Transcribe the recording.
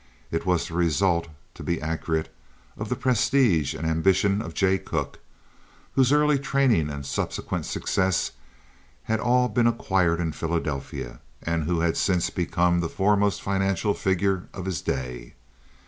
It was the result, to be accurate, of the prestige and ambition of Jay Cooke, whose early training and subsequent success had all been acquired in Philadelphia, and who had since become the foremost financial figure of his day.